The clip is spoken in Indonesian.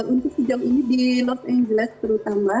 untuk sejauh ini di los angeles terutama